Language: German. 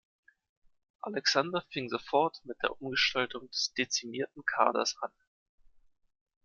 Alexander fing sofort mit der Umgestaltung des dezimierten Kaders an.